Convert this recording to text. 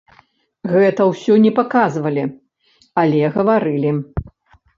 Гэта ўсё не паказвалі, але гаварылі.